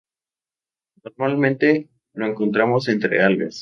Normalmente lo encontramos entre algas.